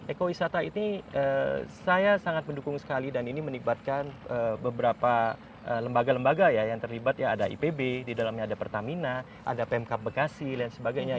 ekowisata ini saya sangat mendukung sekali dan ini melibatkan beberapa lembaga lembaga ya yang terlibat ya ada ipb di dalamnya ada pertamina ada pemkap bekasi dan sebagainya